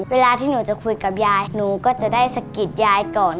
เวลาที่หนูจะคุยกับยายหนูก็จะได้สะกิดยายก่อน